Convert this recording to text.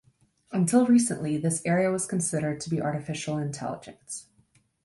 Until recently, this area was considered to be artificial intelligence.